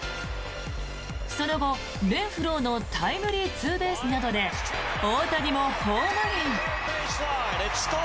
その後、レンフローのタイムリーツーベースなどで大谷もホームイン。